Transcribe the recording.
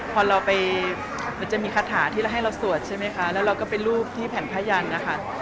พอเราไปมันจะมีคาถาที่เราให้เราสวดใช่ไหมคะแล้วเราก็ไปรูปที่แผ่นผ้ายันนะคะ